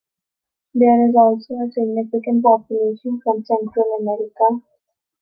There is also a significant population from Central America.